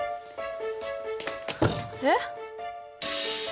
えっ！？